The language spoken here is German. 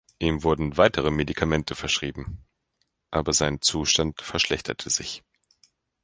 Ihm wurden weitere Medikamente verschrieben, aber sein Zustand verschlechterte sich.